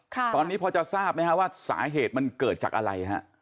ตอนนี้พอจะทราบไหมฮะว่าสาเหตุมันเกิดจากอะไรฮะ